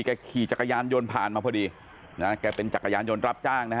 ขี่จักรยานยนต์ผ่านมาพอดีนะแกเป็นจักรยานยนต์รับจ้างนะฮะ